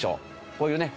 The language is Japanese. こういうね